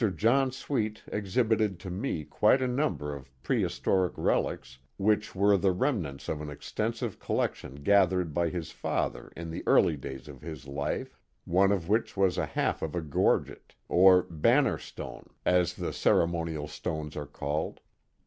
John Sweet exhibited to me quite a number of pre historic relics which were the remnants of an extensive collec tion gathered by his father in the early years of his life, one of which was a half of a gorget, or banner stone, as the cere monial stones are called.